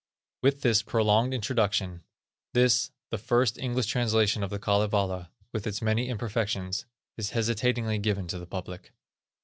With this prolonged introduction, this, the first English translation of the Kalevala, with its many imperfections, is hesitatingly given to the public.